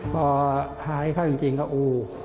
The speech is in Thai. พอหาให้เขาจริงก็อู้